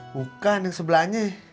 bukan yang sebelahnya